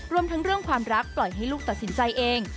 รวมทั้งเรื่องความรักปล่อยให้ลูกตัดสินใจเอง